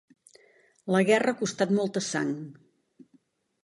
La guerra ha costat molta sang.